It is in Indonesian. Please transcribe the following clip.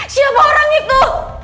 siapa orang itu